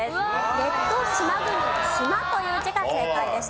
列島島国の「島」という字が正解でした。